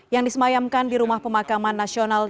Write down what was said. yang disemayamkan di rumah pemakaman nasional